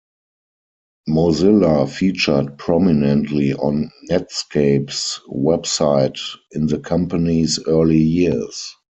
Mozilla featured prominently on Netscape's web site in the company's early years.